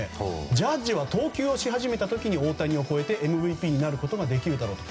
ジャッジは投球をし始めた時に大谷を超えて、ＭＶＰになることができるだろうと。